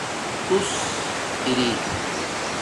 تُݸس اری